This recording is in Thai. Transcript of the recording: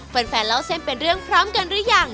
แฟนเล่าเส้นเป็นเรื่องพร้อมกันหรือยัง